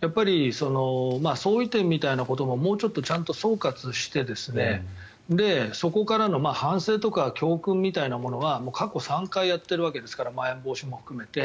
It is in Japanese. やっぱり相違点みたいなこともちゃんと総括してそこからの反省とか教訓みたいなものが過去３回やっているわけですからまん延防止措置も含めて。